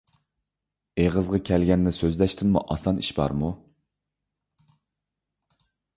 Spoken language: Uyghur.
ئېغىزغا كەلگەننى سۆزلەشتىنمۇ ئاسان ئىش بارمۇ؟